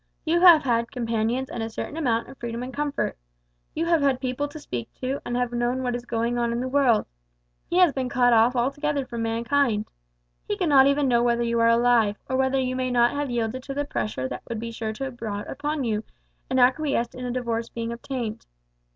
You have had companions and a certain amount of freedom and comfort. You have had people to speak to, and have known what is going on in the world. He has been cut off altogether from mankind. He cannot even know whether you are alive, or whether you may not have yielded to the pressure that would be sure to be brought upon you, and acquiesced in a divorce being obtained.